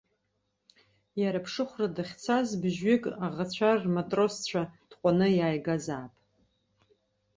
Иара, ԥшыхәра дахьцаз, быжьҩык аӷацәа рматросцәа тҟәаны иааигазаап.